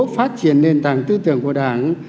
phát triển nền tảng tư tưởng